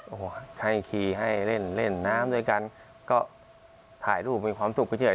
โอ้โหให้ขี่ให้เล่นเล่นน้ำด้วยกันก็ถ่ายรูปมีความสุขไปเฉย